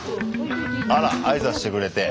あら挨拶してくれて。